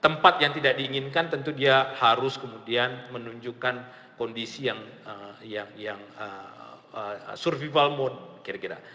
tempat yang tidak diinginkan tentu dia harus kemudian menunjukkan kondisi yang survival mode kira kira